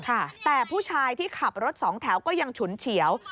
แต่ผู้ชายที่ขับรถสองแถวก็ยังฉุนเฉียว